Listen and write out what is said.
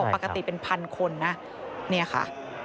ปกติเป็นพันคนนะเนี่ยค่ะ